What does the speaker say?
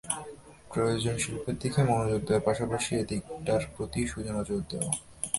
প্রয়োজন শিল্পের দিকে মনোযোগ দেওয়ার পাশাপাশি এ দিকটার প্রতি সুনজর দেওয়া।